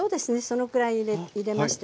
そのくらい入れましてね